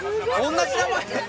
同じ名前？